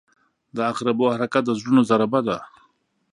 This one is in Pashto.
• د عقربو حرکت د زړونو ضربه ده.